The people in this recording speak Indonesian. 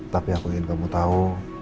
tapi aku ingin kamu tahu